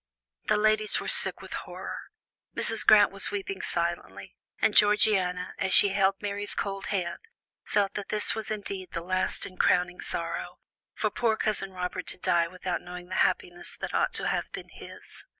The ladies were sick with horror: Mrs. Grant was weeping silently, and Georgiana, as she held Mary's cold hand, felt that this was indeed the last and crowning sorrow, for poor Cousin Robert to die without knowing the happiness that ought to have been his.